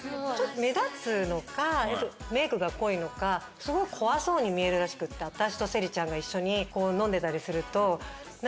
目立つのかメイクが濃いのかすごく怖そうに見えるらしくて私とせりちゃんが一緒に飲んでたりすると。